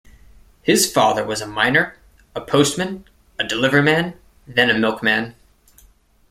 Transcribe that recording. His father was a miner, a postman, a delivery man then a milkman.